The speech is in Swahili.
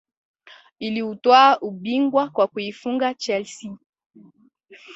Iliutwaa ubingwa kwa kuifunga chelsea